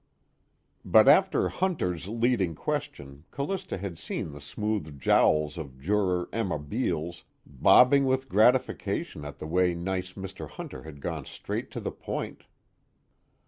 But after Hunter's leading question Callista had seen the smooth jowls of juror Emma Beales bobbing with gratification at the way nice Mr. Hunter had gone straight to the point.